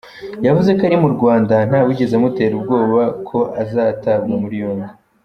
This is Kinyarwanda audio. Yavuze ko ari mu Rwanda, nta wigeze amutera ubwoba ko azatabwa muri yombi.